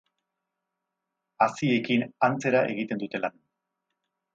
Haziekin antzera egiten dute lan.